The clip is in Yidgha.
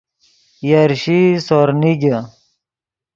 یرشیئی سور نیگے